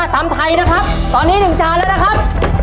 ตำไทยนะครับตอนนี้๑จานแล้วนะครับ